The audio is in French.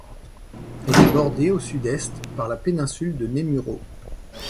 Elle est bordée, au sud-est, par la péninsule de Nemuro.